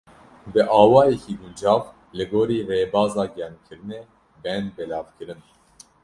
Bi awayekî guncav li gorî rêbaza germkirinê, bên belavkirin.